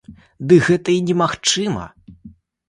Ды гэта і немагчыма.